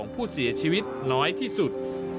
ผู้เสียชีวิตน้อยที่สุด